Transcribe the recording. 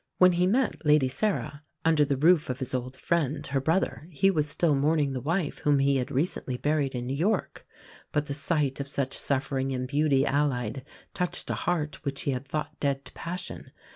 When he met Lady Sarah, under the roof of his old friend, her brother, he was still mourning the wife whom he had recently buried in New York; but the sight of such suffering and beauty allied touched a heart which he had thought dead to passion.